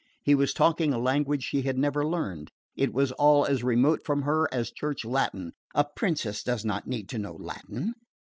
He was talking a language she had never learned it was all as remote from her as Church Latin. A princess did not need to know Latin.